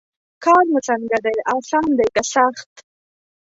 کار مو څنګه دی اسان دی که سخت.